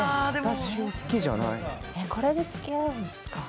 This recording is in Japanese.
これでつきあうんですか？